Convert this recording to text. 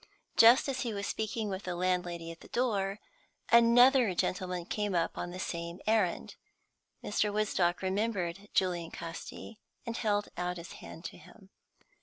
Just as he was speaking with the landlady at the door, another gentleman came up on the same errand. Mr. Woodstock remembered Julian Casti, and held out his hand to him.